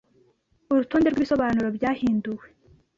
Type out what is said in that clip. urutonde rwibisobanuro byahinduwe